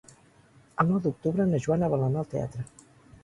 El nou d'octubre na Joana vol anar al teatre.